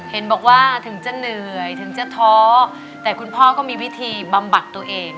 เห็นบอกว่าถึงจะเหนื่อยถึงจะท้อแต่คุณพ่อก็มีวิธีบำบัดตัวเอง